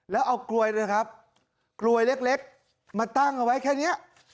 แล้วเอากลวยนะครับกลวยเล็กมาตั้งเอาไว้แค่นี้